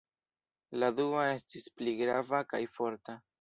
La dua estis pli grava kaj forta.